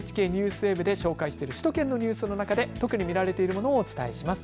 ＮＨＫＮＥＷＳＷＥＢで紹介している首都圏のニュースの中で特に見られているものをお伝えします。